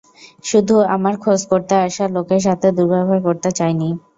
শুধু আমার খোঁজ করতে আসা লোকের সাথে দুর্ব্যবহার করতে চাইনি।